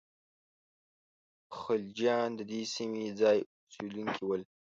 خلجیان د دې سیمې ځايي اوسېدونکي ول.